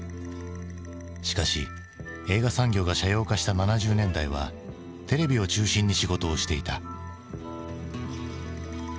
しかし映画産業が斜陽化した７０年代はテレビを中心に仕事をしていた。